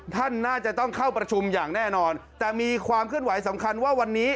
ท่านน่าจะต้องเข้าประชุมอย่างแน่นอนแต่มีความเคลื่อนไหวสำคัญว่าวันนี้